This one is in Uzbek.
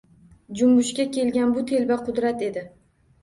Junbushga kelgan bu telba qudrat edi.